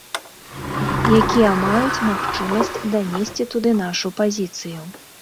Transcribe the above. Якія маюць магчымасць данесці туды нашу пазіцыю.